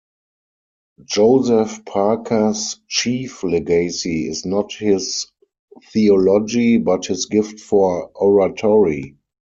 Joseph Parker's chief legacy is not his theology but his gift for oratory.